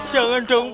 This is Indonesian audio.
jangan dong pak